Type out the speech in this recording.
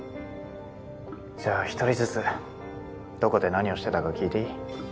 じゃあ一人ずつどこで何をしてたか聞いていい？